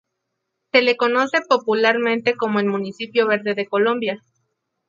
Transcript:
Se le conoce popularmente como el "Municipio verde de Colombia".